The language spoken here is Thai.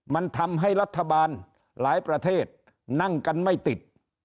มันทำให้รัฐบาลหลายประเทศนั่งกันไม่ติด